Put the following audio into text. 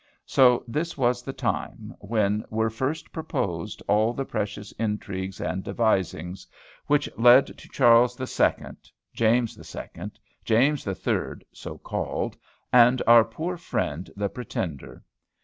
So this was the time, when were first proposed all the precious intrigues and devisings, which led to Charles the Second, James the Second, James the Third, so called, and our poor friend the Pretender.